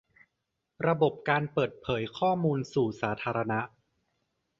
ระบบการเปิดเผยข้อมูลสู่สาธารณะ